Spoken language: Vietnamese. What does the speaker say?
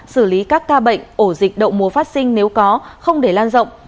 xử lý các ca bệnh ổ dịch đậu mùa phát sinh nếu có không để lan rộng